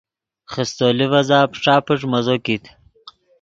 خیستو لیڤزا پݯا پݯ مزو کیت